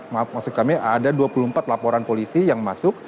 maaf maksud kami ada dua puluh empat laporan polisi yang masuk